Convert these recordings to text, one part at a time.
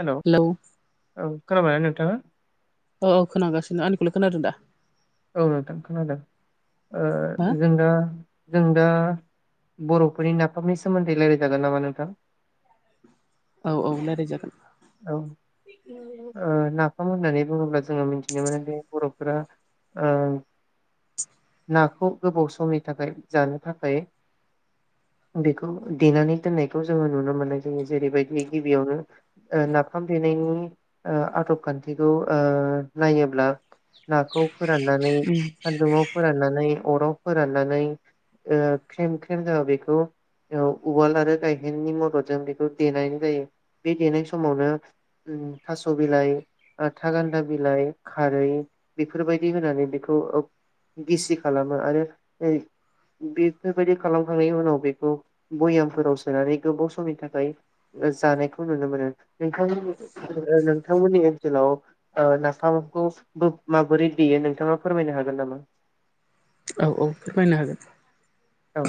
हेल' औ हेलौ खोनाबायानो नोंथाङा? औ औ खोनागासिनों आंनिखौल' खोनादों दा? औ नोंथां खोनादों हो ओ जों दा जों दा बर'फोरनि नाफामनि सोमोन्दै रायज्लायजागोन नामा नोंथां औ औ रायज्लायजागोन औ ओ नाफाम होननानै बुङोब्ला जोङो मिथिनो मोनोदि बर'फोरा ओ नाखौ गोबाव समनि थाखाय जानो थाखाय बेखौ देनानै दोननायखौ जोङो नुनो मोननाय जायो जेरैबायदि गिबियावनो ओ नाफाम देनायनि ओ आदब खान्थिखौ ओ नायोब्ला नाखौ फोराननानै सान्दुंआव फोराननानै अराव फोराननानै ख्रेम ख्रेम जाबा बेखौ उवाल आरो गायहेननि मददजों बेखौ देनाय जायो बे देनाय समावनो थास' बिलाइ थागान्दा बिलाइ खारै बेफोरबायदि होनानै बेखौ गिसि खालामो आरो बेफोरबायदि खालामखांनायनि उनाव बेखौ भयामफोराव सोनानै गोबाव समनि थाखाय जानायखौ नुनो मोनो। नोंथां नोंथांमोननि ओनसोलाव नाफामखौ माबोरै देयो नोंथाङा फोरमायनो हागोन नामा? औ औ फोरमायनो हागोन औ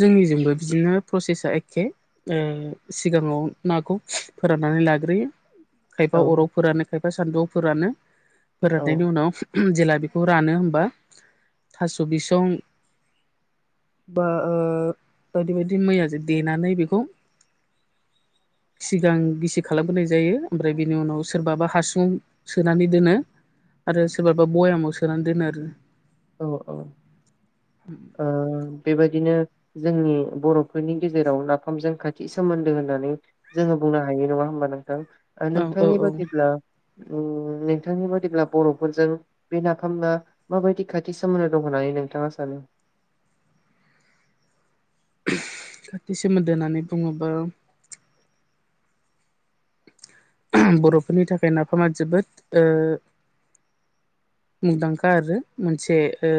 जोंनिजोंबो बिदिनो प्रसेसा एखे ओ सिगाङाव नाखौ फोराननानै लाग्रोयो। खायफा औ अराव फोरानो खायफा सानदुंफोरानो औ फोराननायनि उनाव जेला बेखौ रानो होमबा थास' बिसं बा बायदि बायदि मैयाजों देनानै बेखौ सिगां गिसि खालामबोनाय जायो ओमफ्राय बेनि उनाव सोरबाबा हासुङाव सोनानै दोनो आरो सोरबाबा बयामाव सोनानै दोनो आरो औ औ बेबायदिनो जोंनि बर'फोरनि गेजेराव नाफामजों खाथि सोमोन्दो होननानै जोङो बुंनो हायो नङा होमबा नोंथां? आ आरो औ नोंथांनि औ बादिब्ला नोंथांनि बादिब्ला बर'फोरजों बे नाफामा माबायदि खा थि सोमोन्दो दं होननानै नोंथाङा सानो। खाथि सोमोन्दो होननानै बुङोबा बर'फोरनि थाखाय नाफामा जोबोद ओ मुंदांखा आरो मोनसे ओ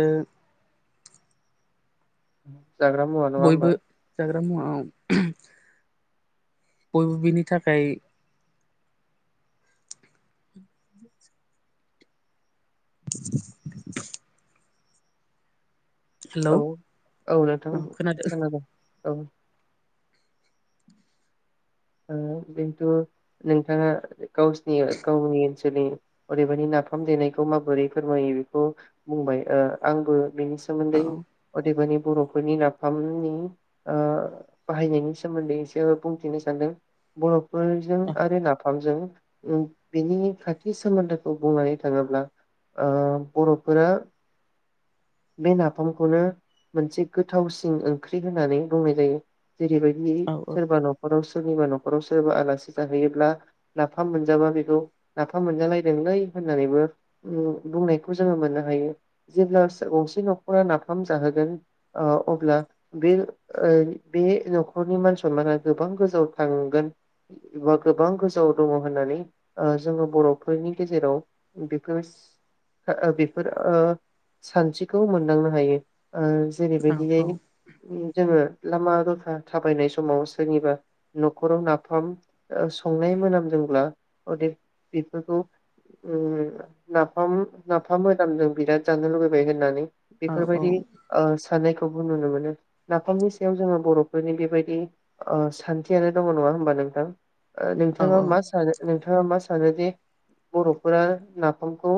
जाग्रा मुवा नङा बयबो होमबा जाग्रा बयबो बिनि थाखाय [inaudible] हेलौ औ औ नोंथां खोनादों औ बेथ' नोंथाङा गावसिनि गावनि ओनसोलनि ओरैबायदि नाफाम देनायखौ माबोरै फोरमायो बेखौ बुंबाय ओ आंबो बेनि औ सोमोन्दै अदेबानि बर'फोरनि नाफामनि ओ बाहायनायनि सोमोन्दैसो बुंथिनो सान्दों बर' फोरजों औ आरो नाफामजों बेनि खाथि सोमोन्दोखौ बुंनानै थाङोब्ला बर'फोरा बे नाफामखौनो मोनसे गोथावसिन ओंख्रि होननानै बुंनाय जायो। जेरैबायदि औ सोरबा न'खराव सोरनिबा न' न'खराव सोरबा आलासि जाहैयोब्ला नाफाम मोनजाबा बेखौ नाफाम मोनजालायदोंलै होननानैबो बुंनायखौ जोङो मोननो हायो जेब्ला गंसे न'खरा नाफाम जाहोगोन अब्ला बे बे न'खरनि मानसि माना गोबां गोजौ थांगोन बा गोबां गोजौ दङ होननानै जोङो बर'फोरनि गेजेराव बेफोर बेफोर सानस्रिखौ मोनदांनो हायो। ओ औ जेरैबायदियै औ जोङो लामा दथा थाबायनाय समाव सोरनिबा न'खराव नाफाम संनाय मोनामदोंब्ला अनेक बेफोरखौ नाफाम नाफाम मोदामजों बिराद जानो लुुबैबाय होननानै बेफोरबायदि सानायखौ नुनो मोनो नाफामनि सायाव जोङो बर'फोरनि बेबायदि ओ सा थियानो दङ नङा होमबा नोंथां औ नोंथाङा मा सानो नों नोंथांङा मा सानोदिे बर'फोरा नाफामखौ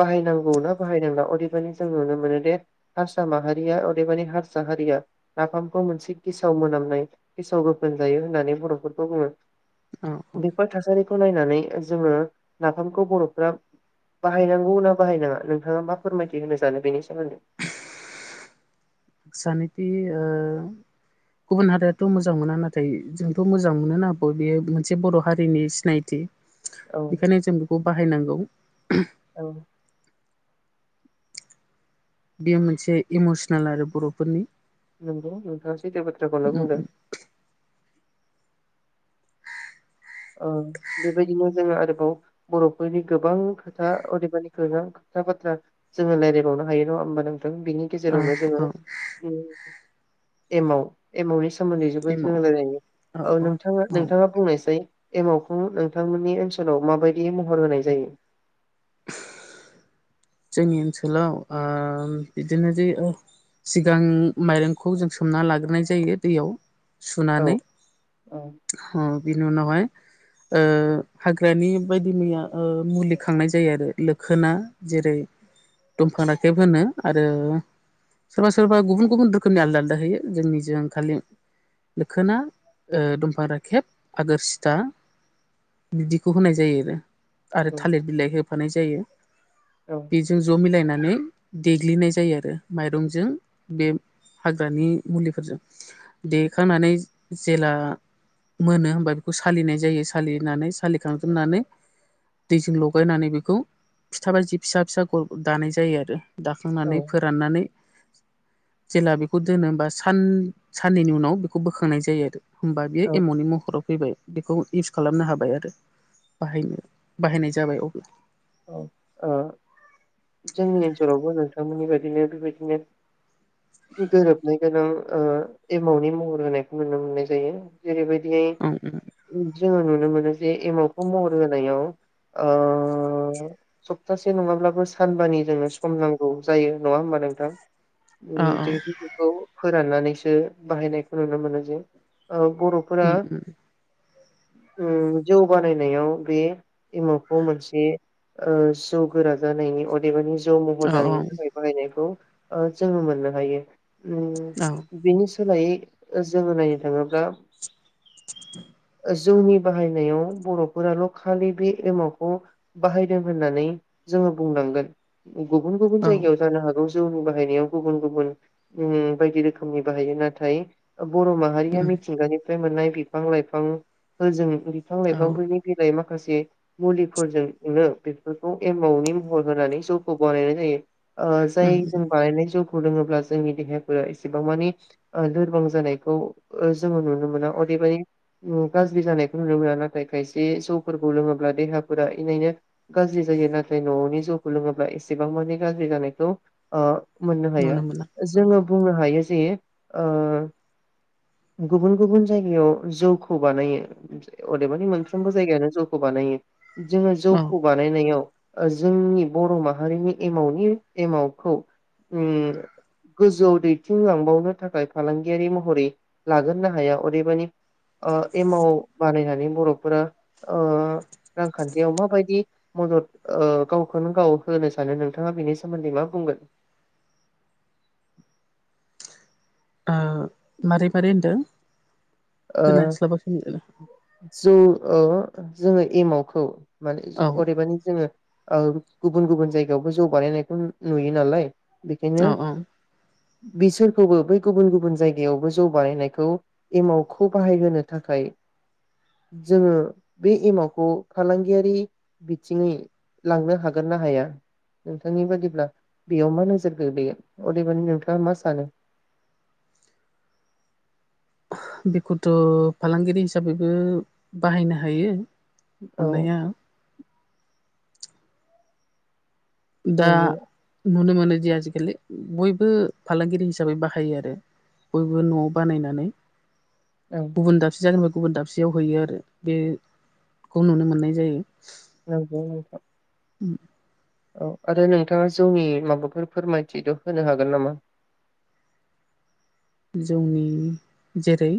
बाहायनांगौ ना बाहायनांला अदेबानि जों नुनो मोनो दे हारसा माहारिया अदेबानि हारसा हारिया नाफामखौ मोनसे गेसाव मोनामनाय गेसाव गो मोनजायो होननानै बर'फोरखौ बुङो। औ औ बिपक थासारि नायनानै जोङो नाफामखौ बर'फोरा बाहायनांगौ ना बाहायनाङा नोंथाङा मा फोरमायथि होनो सानो बेनि सोमोन्दै सानोथि ओ गुबुन हारियाथ' मोजां मोना नाथाय जोंथ' मोजां मोनो ना बियो मोनसे बर' हारिनि सिनायथि औ बेखायनो जों बिखौ बाहायनांगौ औ बेयो मोनसे इमसनेल आरो बर'फोरनि नोंगौ नोंथाङा सैथो बाथ्राखौनो उम बुंदों। उम ओ बेबायदिनो जोङो आरोबाव बर'फोरनि गोबां खोथा अदेबानि खोथा बाथ्रा जोङो रायलायबावनो हायो नङा होमबा नों बिनि औ गेजेरावनो जोङो औ एमाव एमावनि सा सोमोन्दै जबोद एम' जों रायलायो औ नोंथाङा औ नोंथाङा बुंनायसै एमावखौ नोंथांमोननि ओनसोलाव माबायदि महर होनाय जायो। जोंनि ओनसोलाव ओ बिदिनो जे सिगां माइरंखौ जों सोमना लाग्रोनाय जायो दैयाव औ सुनानै औ बिनि उनावहाय हाग्रानि बायदि मैया मुलि खांनाय जायो आरो लोखोना जेरै दंफां राखेब होनो आरो सोरबा-सोरबा गुबुन-गुबुन रोखोमनि आलदा-आलदा होयो जोंनिजों खालि दोखोना ओ दंफां राखेब आगोर सिथा बिदिखौ होनाय जायो आरो आरो औ थालिर बिलाइ हो होफानाय जायो। औ बेजों ज' मिलायना नानै देग्लिनाय जायो आरो माइरंजों बे हाग्रानि मुलिफोरजों देखांनानै जेला मोनो होमबा बेखौ सालिनाय जायो सालिनानै सालिखांजोबनानै दैजों लगायनानै बेखौ फिथा बादि फिसा फिसा गल गल दानाय जायो आरो। दाखांनानै औ फोराननानै जेला बेखौ दोनो होमबा सान साननैनि उनाव बेखौ बोखांनाय जायो आरो। होमबा बेयो औ एम'नि महराव फैबाय बेखौ इउस खालामनो हाबाय आरो बाहायनो बाहायनाय जाबाय अब्ला। औ ओ जोंनि ओनसोलावबो नों नोंथांमोननि बादिनो बेबायदिनो‌ गोरोबनाय गोनां ओ एमावनि महर होनायखौ नुनो मोननाय जायो जेरैबायदि औ दि जोङो नुनो मोनो जे एमावखौ महर होनायाव ओ सप्तासे नङाब्लाबो सानबानि जोंनो सम नांगौ जायो नङा होमबा नोंथां? औ ओम [unintelligible] फोराननानैसो बाहायनायखौ नुनो मोनो जे। औ बर'फोरा उम जौ बानायनायाव बे एमावखौ मोनसे ओ जौ गोरा जानायनि अदेबानि जौ महर जानायनि औ थाखाय बाहायनायखौ ओ जोङो मोननो हायो। ओम औ बिनि सोलायै ओ जोङो नायनो थाङोब्ला [inaudible] जोंनि बाहायनायाव बर'फोराल' खालि बे एमावखौ बाहायदों होननानै जोङो बुंनांगोन। गुबुन गुबुन औ जायगायाव जानो हागौ जौबो बाहायनायाव गुबुन गुबुन ओम बायदि रोखोमनि बाहायो नाथाय ओ बर' माहारिया औ मिथिंगानिफ्राय मोननाय बिफां लाइफांफोरजों बिफां औ उम लाइफांफोरनि बिलाइ मा खासे मुलिफोरजों जों बेफोरखौ एमावनि महर होनानै जौखौ बानायनाय जायो। ओ जाय उम जों बानायनाय जौ खौ लोङोब्ला जोंनि देहाया फोरा एसिबां मानि ओ लोरबां जानायखौ ओ जोङो नुनो मोना अदेबानि गाज्रि जानायखौ नुनो मोना नाथाय खायसे जौफोरखौ लोङोब्ला देहाफोरा इनायनो गाज्रि जायो नाथाय न'आवनि जौखौ लोङोब्ला एसेबां माने गाज्रि जानायखौ ओ। मोननो हायो नुनो मोना औ जोङो बुंनो हायो। जे ओ गुबुन गुबुन जायगायाव जौखौ बानायो अदेबानि मोनफ्रोमबो जायगायावनो जौखौ बानायो। जोङो जौ औ ओ [unintelligible] ओ जोंनि बर' माहारिनि एमावनि एमावखौ ओम गोजौ दैथिंलांबावनो थाखाय फालांगियारि महरै लागोरनो हाया अदेबानि ओ एमाव बानायनानै बर'फोरा ओ रांखान्थियाव माबायदि मदद ओ गावखौनो गाव होनो सानो नोंथाङा बिनि सोमोन्दै मा बुंगोन? ओ मारै मारै होनदों? ओ खोनास्लाबासै जौ ओ जोङो एमावखौ माने औ अदेबानि जोङो। ओ गुबुन गुबुन जायगायावबो जौ बानायनायखौ नु नुयो नालाय। बेखायनो औ औ बिसोरखौबो बै गुबुन गुबुन जायगायावबो जौ बानायनायखौ एमाव खौ बाहायहोनो थाखाय जोङो बै एमावखौ फालांगियारि बिथिङै लांनो हागोन ना हाया नोंथांनि बादिब्ला बेयाव मा नोजोर गोग्लैयो अदेबानि नोंथाङा मा सानो? बेखौथ' फालांगिरि हिसाबैबो बाहायनो हायो। औ हानाया दा नंगौ नुनो मोन नो दि आजिखालि बयबो फालांगिरि हिसाबै बाहायो आरो बयबो न'आव बानायनानै औ गुबुन दाबसे जागानि गुबुन दाबसेयाव हैयो आरो बेखौ नुनो मोननाय जायो। नंगौ नोंथां। उम औ आरो नोंथाङा जौनि माबाफोर फोरमायथिद' होनो हागोन नामा? जौनि जेरै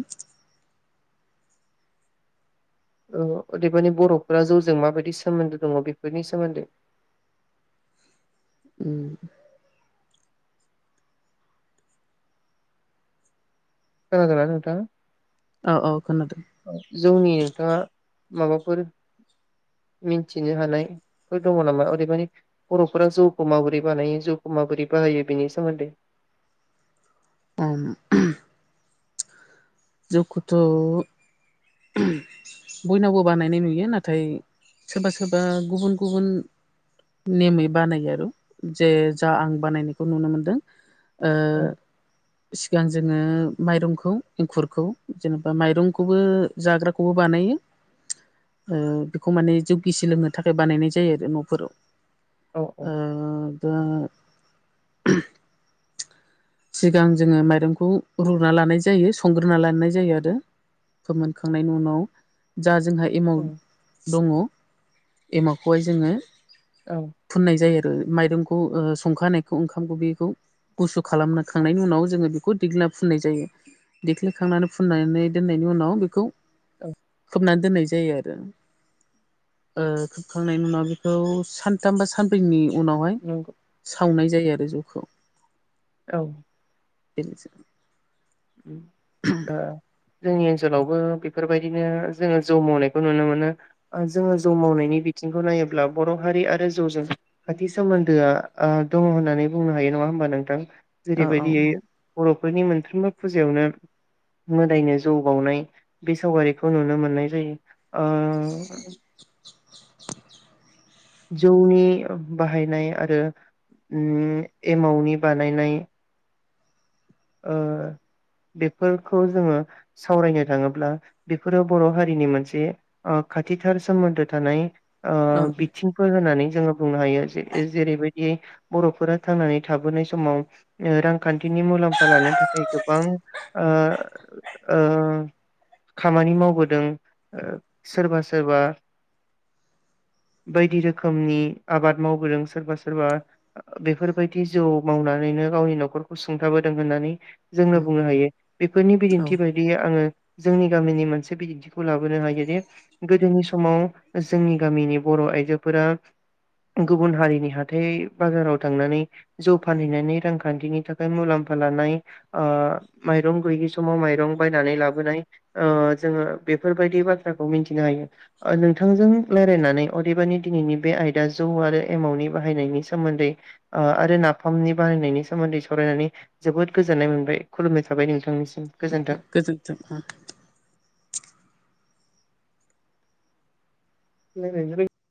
ओ अदेबानि बर'फोरा जौजों माबायदि सोमोन्दो दङ' बेफोरनि सोमोन्दै उम खोनादों ना औ औ खोनादों नोंथाङा? जौनि नोंथाङा माबाफोर मिन्थिनो हानायफोर दङ' नामा? अदेबानि बर'फोरा जौखौ माबोरै बानायो? जौखौ माबोरै बाहायो? बेनि सोमोन्दै बाम जौखोथ' बयनावबो बानायनाय नुयो नाथाय सोरबा सोरबा गुबुन गुबुन नेमै बानायो आरो जे जा आं बानायनायखौ नुनो मोनदों ओ औ सिगां जोङो माइरंखौ एंखुरखौ जेनेबा माइरंखौबो जाग्राखौबो बानायो ओ बेखौ माने जौ गिसि लोंनो थाखाय बानायनाय जायो आरो न'फोराव। औ औ ओ दा सिगां जोङो माइरंखौ रुना लानाय जायो संग्रोना लानाय जायो आरो फोमोनखांनायनि उनाव जा जोंहा एमाव उम दङ' एमावखौहाय जोङो औ फुननाय जायो। ओ माइरंखौ ओ संखानायखौ ओंखाम बेखौ गुसु खालामना खांनायनि उनाव जोङो बेखौ दिग्लिना फुननाय जायो देग्लिखांनानै फुननानै दोननायनि उनाव बेखौ औ खोबनानै दोननाय जायो आरो ओ खोबखांनायनि उनाव बेखौ सानथाम बा सानब्रैनि उनावहाय नंगौ सो सावनाय जायो आरो जौखौ औ [unintelligible] उम ओ जोंनि ओन सोलावबो बेफोरबायदिनो जोङो जौ मावनायखौ नुनो मोनो ओ जोङो जौ मावनायनि बिथिंखौ नायोब्ला बर' हारि आरो जौजों खाथि सोमोन्दोआ ओ दङ होननानै बुंनो हायो नङा होमबा नोंथां औ औ जेरैबायदियै बर' फोरनि मोनफ्रोमबो फुजायावनो मोदायनो जौ बावनाय बे सावगारिखौ नुनो मोननाय जायो। ओ [inaudible] जौनि बाहायनाय आरो ओम एमावनि बानायनाय ओ बेफोरखौ जोङो सावरायनो थाङोब्ला बेफोरो बर' हारिनि मोनसे ओ खाथिथार सोमोन्दो थानाय ओ औ बिथिंफोर होनानै जोङो बुंनो हायो जे जेरैबायदि बर'फोरा थांनानै थाबोनाय समाव ओ रांखान्थिनि मुलाम फा लानो थाखाय गोबां ओ ओ खामानि मावबोदों ओ सोरबा सोरबा बायदि रोखोमनि आबाद मावबोदों सोरबा सोरबा बेफोरबायदि जौ मावनानैनो गावनि न'खरखौ सुंथाबो दों होननानै जोंनो बुंनो हायो बेफोरनि औ बिदिन्थि बायदियै आङो जोंनि गामिनि मोनसे बिदिन्थिखौ लाबोनो हायोदि गोदोनि समाव जोंनि गामिनि बर' आइजोफोरा गुबुन हारिनि हाथाइ बाजाराव थांनानै जौ फानहैनानै रांखान्थिनि थाखाय मुलाम फा लानाय ओ माइरं गैयि समाव माइरं बायनानै लाबोनाय ओ जोङो बेफोरबायदि बाथ्राखौ मिनथिनो हायो नोंथांजों रायलायनानै अदेबानि दिनैनि बे आयदा जौ आरो एमावनि बाहायनायनि सोमोन्दै ओ आरो नाफामनि बाहायनायनि सोमोन्दै सावरायनानै जोबोद गोजोन्नाय मोनबाय खुलुमनाय थाबाय नोंथांनिसिम गोजोन्थों। गोजोनथों [unintelligible]